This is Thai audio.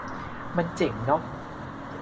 มันเจ๋งเนอะ